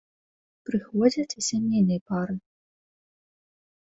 Прыходзяць і сямейныя пары.